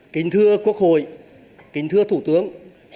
kính thưa quốc hội kính thưa thủ tướng